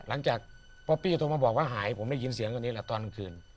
หลังจากป๊อปปี้โทรมาบอกว่าหายผมได้ยินเสียงวันนี้แหละตอนกลางคืน